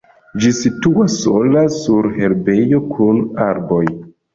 Ĝi situas sola sur herbejo kun arboj.